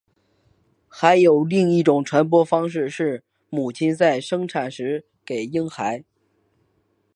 还有另一种传播方式是母亲在生产时给婴孩。